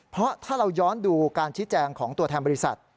เพราะถ้าเราย้อนดูการชี้แจงของตัวแทนบริษัท